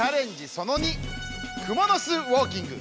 クモの巣ウォーキング？